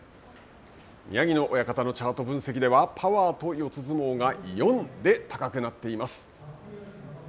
宮城野親方のチャート分析ではパワーと四つ相撲が４で高くなっています。